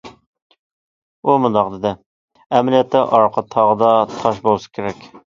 ئۇ مۇنداق دېدى: ئەمەلىيەتتە ئارقا تاغدا تاش بولسا كېرەك.